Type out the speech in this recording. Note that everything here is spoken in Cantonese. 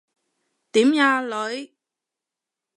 點呀，女？